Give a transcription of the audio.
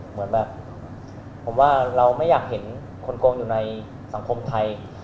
เหมือนแบบผมว่าเราไม่อยากเห็นคนโกงอยู่ในสังคมไทย